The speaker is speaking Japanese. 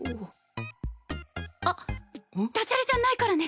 あっダジャレじゃないからね。